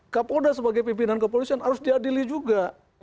kapolda sebagai pimpinan kepolisian harus diadili juga